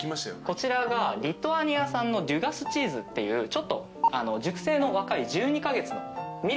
こちらがリトアニア産のデュガスチーズっていうちょっと熟成の若い１２カ月のミルキーなタイプのチーズ。